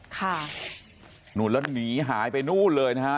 ค่ะนู่นแล้วหนีหายไปนู่นเลยนะฮะ